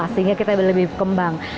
sehingga kita lebih kembang